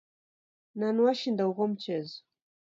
Nani washinda ugho mchezo?